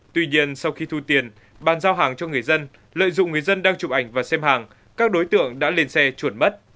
tuy nhiên sau khi thu tiền bàn giao hàng cho người dân lợi dụng người dân đang chụp ảnh và xem hàng các đối tượng đã lên xe chuột mất